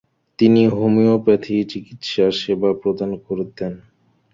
তিনি হোমিওপ্যাথি চিকিৎসা সেবা প্রদান করতেন।